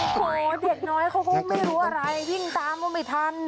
โหเด็กน้อยเขาก็ไม่รู้อะไรวิ่งตามก็ไม่ทัน